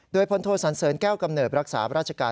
โดยพลโทสันเสริญแก้วกำเนิดรักษาราชการ